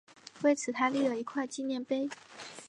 为此他立了一块纪念碑。